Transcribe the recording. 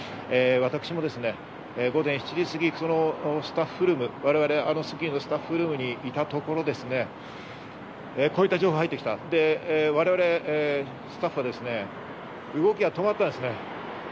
私も午前７時すぎ、スッキリのスタッフルームにいたところ、こういった情報が入ってきた、我々スタッフは動きが止まったんですね。